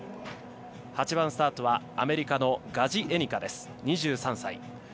８番スタートはアメリカのガジエニカ、２３歳。